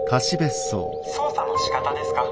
操作のしかたですか？